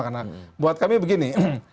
karena buat kami begini